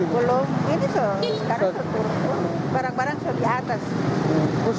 belum ini sudah barang barang sudah di atas